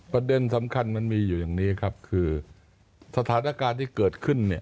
ประเด็นสำคัญมันมีอยู่อย่างนี้ครับคือสถานการณ์ที่เกิดขึ้นเนี่ย